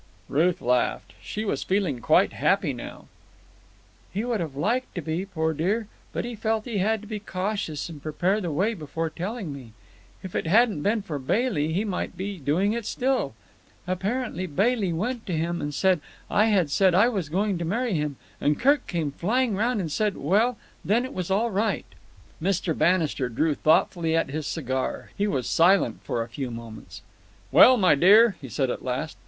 Ruth laughed. She was feeling quite happy now. "He would have liked to be, poor dear, but he felt he had to be cautious and prepare the way before telling me. If it hadn't been for Bailey, he might be doing it still. Apparently, Bailey went to him and said I had said I was going to marry him, and Kirk came flying round, and—well, then it was all right." Mr. Bannister drew thoughtfully at his cigar. He was silent for a few moments. "Well, my dear," he said at last.